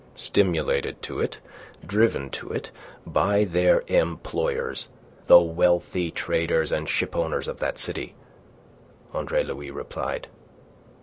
"Stimulated to it, driven to it, by their employers, the wealthy traders and shipowners of that city," Andre Louis replied.